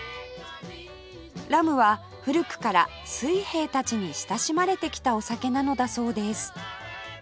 ラムは古くから水兵たちに親しまれてきたお酒なのだそうです